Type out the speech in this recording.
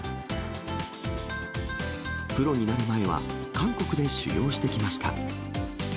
プロになる前は、韓国で修業してきました。